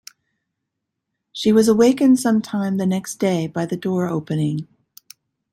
She was awakened some time the next day by the door opening.